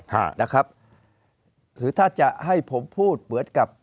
หรือถ้าจะให้ผมพูดเบิดกับ